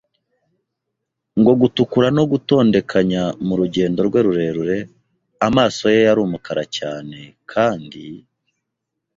no gutukura no gutondekanya murugendo rwe rurerure. Amaso ye yari umukara cyane, kandi